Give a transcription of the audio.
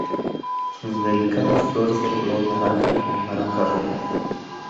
Sus delicadas flores de color naranja o naranja-rojo.